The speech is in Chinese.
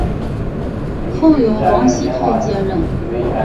后由王熙泰接任。